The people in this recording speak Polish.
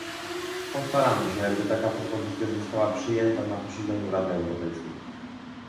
Postaramy się, by taka propozycja została przyjęta na posiedzeniu Rady Europejskiej